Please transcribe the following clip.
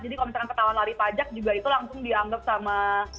jadi kalau misalkan ketahuan lari pajak juga itu langsung dianggap sama